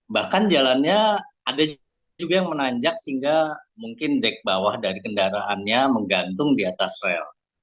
bahkan jalannya ada juga yang menanjak sehingga mungkin dek bawah dari kendaraannya menggantung di atas rel